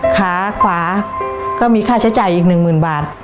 ขาขวาก็มีค่าใช้จ่ายอีก๑๐๐๐บาท